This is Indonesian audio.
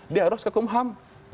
dia harus ke hukum ham